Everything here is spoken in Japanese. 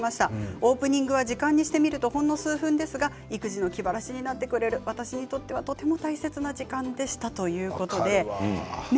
オープニングはほんの数分ですが気晴らしになってくれる私にとってはとても大切な時間でしたということでした。